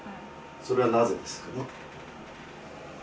それはなぜですかね？